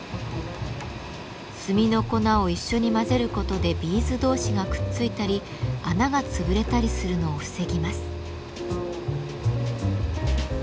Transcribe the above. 炭の粉を一緒に混ぜることでビーズ同士がくっついたり穴が潰れたりするのを防ぎます。